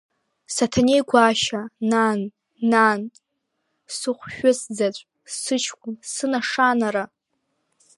Саҭанеи-Гәашьа нан, нан, сыхәшәыц заҵә, сыҷкән сынашанара!